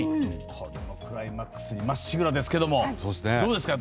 これもクライマックスにまっしぐらですけどどうですか？